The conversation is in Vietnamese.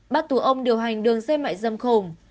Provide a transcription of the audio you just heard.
bắt tù ông điều hành đường giới mại dâm khủng